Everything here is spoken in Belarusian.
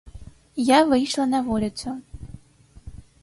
Я выйшла на вуліцу.